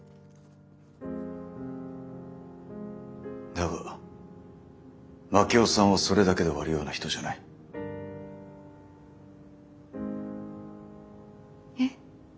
だが真樹夫さんはそれだけで終わるような人じゃない。えっ？